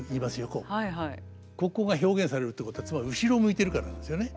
ここが表現されるってことはつまり後ろを向いてるからなんですよね。